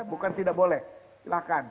bukan tidak boleh silahkan